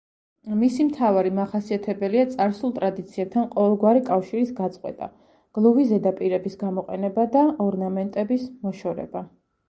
მისი მთავარი მახასიათებელია წარსულ ტრადიციებთან ყოველგვარი კავშირის გაწყვეტა, გლუვი ზედაპირების გამოყენება და ორნამენტების მოშორება.